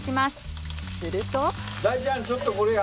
すると。